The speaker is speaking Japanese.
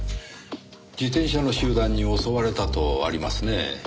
自転車の集団に襲われたとありますねぇ。